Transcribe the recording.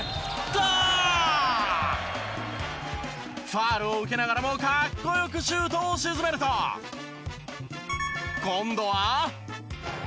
ファウルを受けながらもかっこよくシュートを沈めると今度は。